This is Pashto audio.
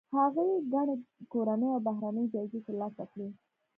هغې ګڼې کورنۍ او بهرنۍ جایزې ترلاسه کړي.